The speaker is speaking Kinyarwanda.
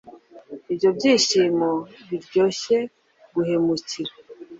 Ibyo byishimo biryoshye guhemukira.